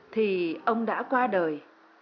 thì ông đã qua đời